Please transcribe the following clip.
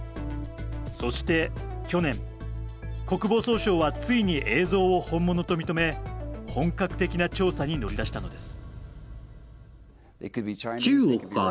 そして去年、国防総省はついに映像を本物と認め本格的な調査に乗り出したのです。